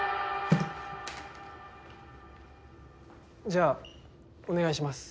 じゃあお願いします。